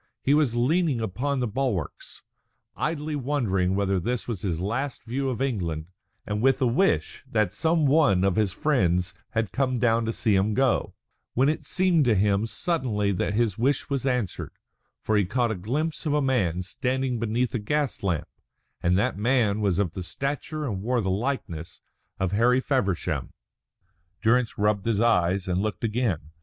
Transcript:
He was leaning upon the bulwarks, idly wondering whether this was his last view of England, and with a wish that some one of his friends had come down to see him go, when it seemed to him suddenly that his wish was answered; for he caught a glimpse of a man standing beneath a gas lamp, and that man was of the stature and wore the likeness of Harry Feversham. Durrance rubbed his eyes and looked again.